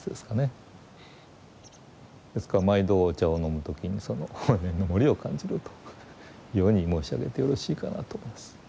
ですから毎度お茶を飲む時にその法然の森を感じるというように申し上げてよろしいかなと思います。